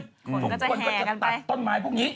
ทุกคนก็จะตัดต้นไม้พวกนี้